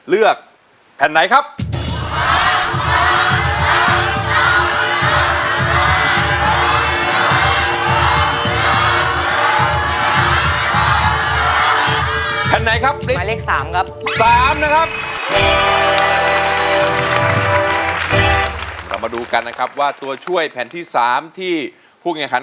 เรามาดูกันนะครับว่าตัวช่วยแผ่นที่สามที่พวกเนี่ยฮัน